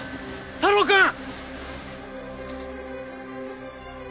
太郎くん！